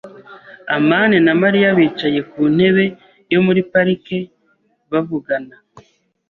amani na Mariya bicaye ku ntebe yo muri parike bavugana.